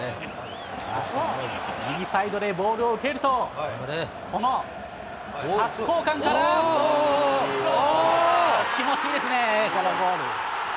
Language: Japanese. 右サイドでボールを受けると、このパス交換から、ゴール、気持ちいいですね。